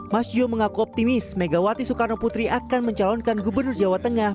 mas yo mengaku optimis megawati soekarno putri akan mencalonkan gubernur jawa tengah